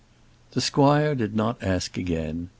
The squire did not ask again.